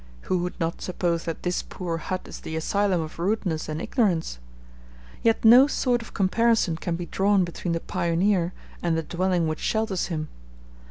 Who would not suppose that this poor hut is the asylum of rudeness and ignorance? Yet no sort of comparison can be drawn between the pioneer and the dwelling which shelters him.